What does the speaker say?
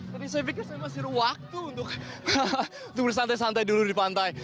tapi saya pikir saya masih waktu untuk bersantai santai dulu di pantai